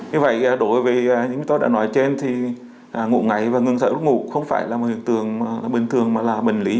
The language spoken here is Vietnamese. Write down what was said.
như vậy đối với những người ta đã nói trên thì ngủ ngáy và ngừng sợ lúc ngủ không phải là một hình tường bình thường mà là bình lý